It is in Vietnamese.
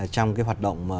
trong cái hoạt động